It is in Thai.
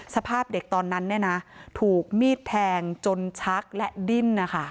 สภาพเด็กตอนนั้นเนี่ยนะถูกมีดแทงจนชักและดิ้นนะคะ